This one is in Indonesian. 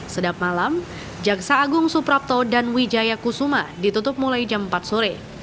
sedap malam jaksa agung suprapto dan wijaya kusuma ditutup mulai jam empat sore